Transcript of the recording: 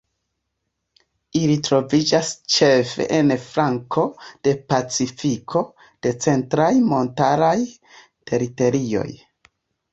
Ili troviĝas ĉefe en la flanko de Pacifiko de centraj montaraj teritorioj.